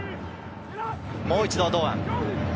もう一度、堂安。